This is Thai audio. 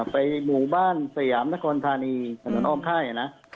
ไปหมู่บ้านสยามนครภาณีสนออมไทย